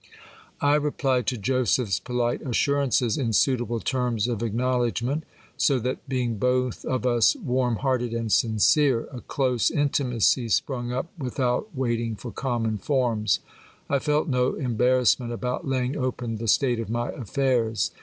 I replied to Joseph's polite assurances in suitable terms of acknowledgment ; so that being both of us warm hearted and sincere, a close intimacy sprung up without waiting for common forms. I felt no embarrassment about laying open the state of my affairs.